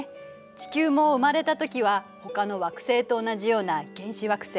地球も生まれたときはほかの惑星と同じような原始惑星